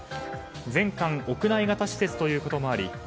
全館屋内型施設ということもあり